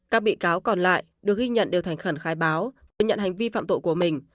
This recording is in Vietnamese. các bị cáo còn lại được ghi nhận đều thành khẩn khai báo thừa nhận hành vi phạm tội của mình